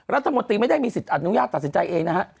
รัฐมนตรีไม่ได้มีสิทธิ์อนุญาตตัดสินใจเองนะฮะ